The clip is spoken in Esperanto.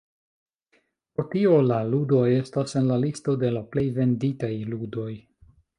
Pro tio, la ludoj estas en la listo de la plej venditaj ludoj.